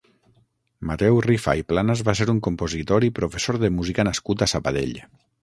Mateu Rifà i Planas va ser un compositor i professor de música nascut a Sabadell.